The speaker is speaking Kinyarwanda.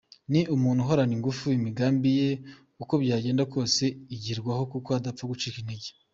Ni umuntu uhorana ingufu, imigambi ye uko byagenda kose igerwaho kuko adapfa gucika intege.